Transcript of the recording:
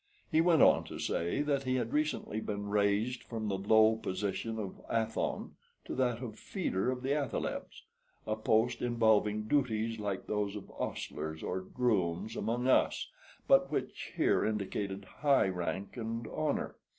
He went on to say that he had recently been raised from the low position of Athon to that of Feeder of the Athalebs, a post involving duties like those of ostlers or grooms among us, but which here indicated high rank and honor.